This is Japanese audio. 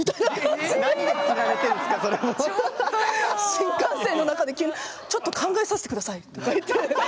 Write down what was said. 新幹線の中で急に「ちょっと考えさせてください」とか言って。